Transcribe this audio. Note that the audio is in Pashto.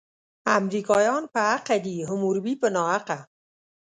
امریکایان په حقه دي، حموربي په ناحقه.